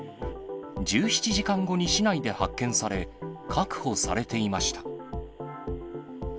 １７時間後に市内で発見され、確保されていました。